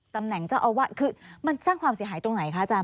ตำแหน่งเจ้าอาวาสคือมันสร้างความเสียหายตรงไหนคะอาจารย